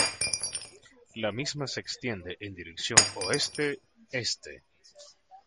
La misma se extiende en dirección oeste-este.